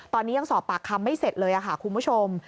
ตอนนี้ยังสอบปากคำไม่เสร็จเลยค่ะคุณผู้ชม